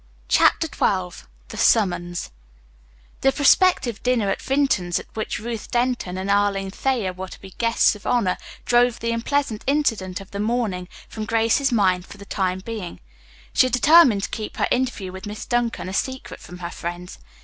CHAPTER XII THE SUMMONS The prospective dinner at Vinton's at which Ruth Denton and Arline Thayer were to be guests of honor drove the unpleasant incident of the morning from Grace's mind for the time being. She had determined to keep her interview with Miss Duncan a secret from her friends.